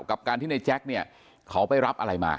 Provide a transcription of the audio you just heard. กับการที่ในแจ็คเนี่ยเขาไปรับอะไรมา